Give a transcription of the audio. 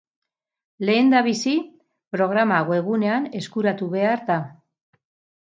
Lehendabizi, programa webgunean eskuratu behar da.